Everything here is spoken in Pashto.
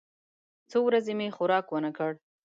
څو ورځې مې خوراک ونه کړ.